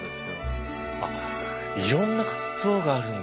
あっいろんな像があるんだ。